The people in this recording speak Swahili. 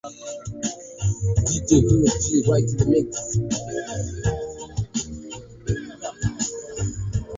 chukua dhamana kuongoza serikali ya umoja wa kitaifa